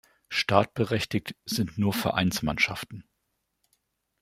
Startberechtigt sind nur Vereinsmannschaften.